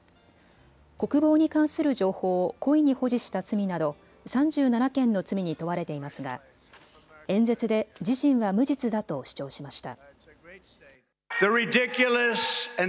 国防に関する情報を故意に保持した罪など３７件の罪に問われていますが演説で自身は無実だと主張しました。